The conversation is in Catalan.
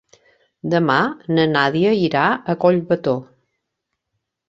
Demà na Nàdia irà a Collbató.